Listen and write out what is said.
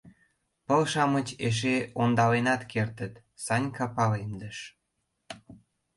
Пыл-шамыч эше ондаленат кертыт, — Санька палемдыш.